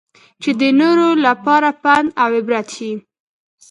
چې د نورو لپاره پند اوعبرت شي.